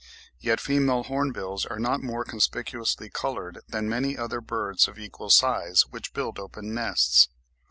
yet female horn bills are not more conspicuously coloured than many other birds of equal size which build open nests.